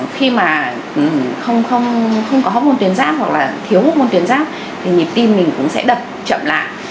khi mà không có học môn tuyến giáp hoặc là thiếu học môn tuyến giáp thì nhiệt tim mình cũng sẽ đập chậm lại